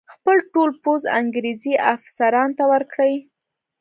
خپل ټول پوځ انګرېزي افسرانو ته ورکړي.